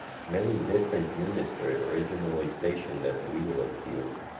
Many different units were originally stationed at Wheeler Field.